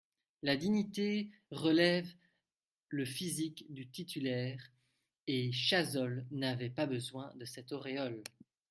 La dignité relève le physique du titulaire et Chazolles n'avait pas besoin de cette auréole.